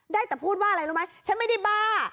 ได้แต่พูดว่าอะไรรู้ไหมฉันไม่ได้บ้า